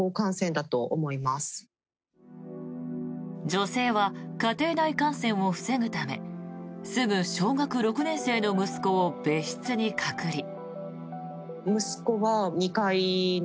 女性は家庭内感染を防ぐためすぐ小学６年生の息子を別室に隔離。